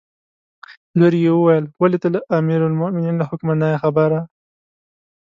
لور یې وویل: ولې ته د امیرالمؤمنین له حکمه نه یې خبره.